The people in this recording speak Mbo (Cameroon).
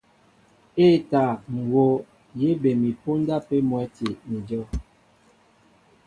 E᷇ taa, ŋ̀ hów, bé mi póndá pē mwɛ́ti ni ajow.